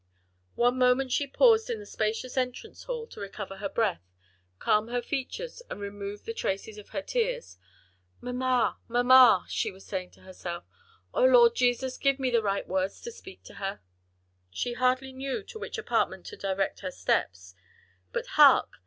One moment she paused in the spacious entrance hall, to recover her breath, calm her features, and remove the traces of her tears. "Mamma, mamma," she was saying to herself, "O Lord Jesus give me the right words to speak to her." She hardly knew to which apartment to direct her steps, but "Hark!